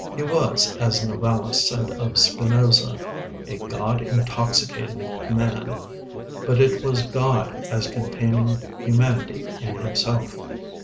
He was, as Novalis said of Spinoza, "A God intoxicated man," but it was God as containing humanity in himself.